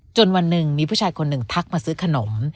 วันหนึ่งมีผู้ชายคนหนึ่งทักมาซื้อขนม